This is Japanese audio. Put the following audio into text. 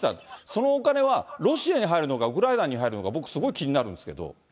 そのお金はロシアに入るのか、ウクライナに入るのか、僕、すごい気になるんですけど。